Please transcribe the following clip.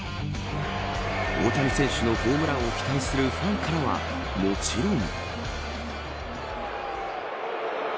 大谷選手のホームランを期待するファンからはもちろん。